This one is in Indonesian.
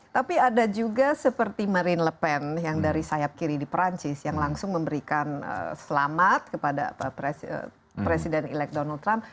tapi ada juga seperti marine lepen yang dari sayap kiri di perancis yang langsung memberikan selamat kepada presiden elek donald trump